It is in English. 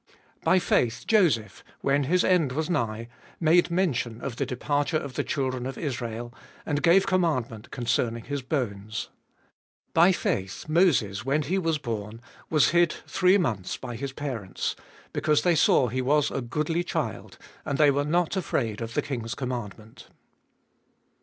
22. By faith Joseph, when his end was nigh, made mention of the departure of the children of Israel ; and gave commandment concerning his bones. 23. By faith Moses, when he was born, was hid three months by his parents, because they saw he was a goodly child ; and they were not afraid of the king's Gnm ma.ndTnp. nt.